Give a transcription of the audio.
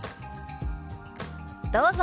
どうぞ。